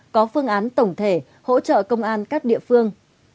có phương án tổng thể hỗ trợ công an các địa phương